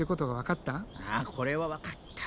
あこれは分かった。